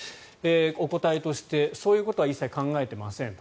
お答えとしてそういうことは一切考えてませんと。